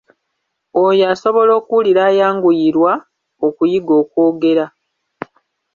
Oyo asobola okuwulira ayanguyirwa okuyiga okwogera.